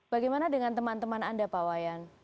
bagaimana dengan teman teman anda pak wayan